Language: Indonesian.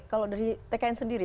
kalau dari tkn sendiri